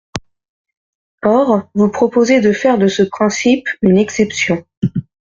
Or, vous proposez de faire de ce principe une exception.